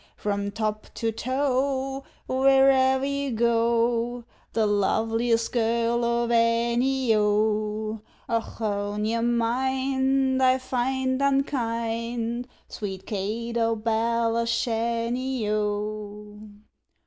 From top to toe, where'er you go, The loveliest girl of any, O, Ochone! your mind I find unkind, Sweet Kate o' Belashanny, O!